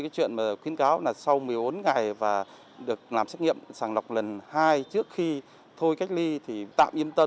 chuyện khuyến cáo là sau một mươi bốn ngày và được làm xét nghiệm sàng lọc lần hai trước khi thôi cách ly thì tạm yên tâm